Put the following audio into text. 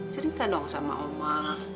cerita dong sama oma